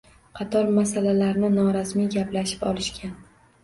Qator masalalarni norasmiy gaplashib olishgan